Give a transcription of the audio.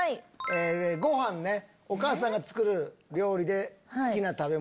ごはんねお母さんが作る料理で好きな食べ物。